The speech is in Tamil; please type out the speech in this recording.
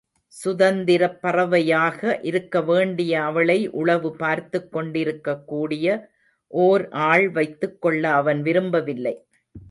சுதந்திரப் பறவையாக இருக்க வேண்டிய அவளை உளவு பார்த்துக் கொண்டிருக்கக்கூடிய ஓர் ஆள் வைத்துக் கொள்ள அவன் விரும்பவில்லை.